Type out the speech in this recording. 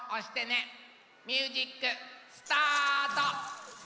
ミュージックスタート！